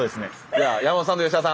じゃあ山本さんと吉田さん